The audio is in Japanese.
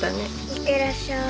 いってらっしゃい。